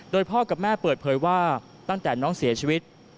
โดยพ่อกับแม่เปิดเผยว่าตั้งแต่น้องเสียชีวิต